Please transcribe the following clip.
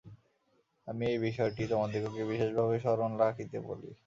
আমি এই বিষয়টি তোমাদিগকে বিশেষভাবে স্মরণ রাখিতে বলি।